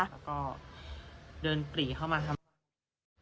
แล้วก็เดินปรีเข้ามาทำร้ายเรา